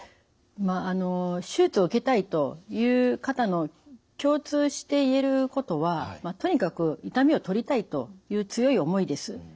まあ手術を受けたいという方の共通して言えることはとにかく痛みをとりたいという強い思いです。